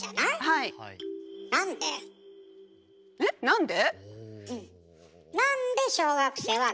なんで？